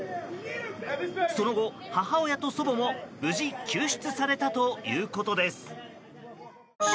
その後、母親と祖母も無事救出されたということです。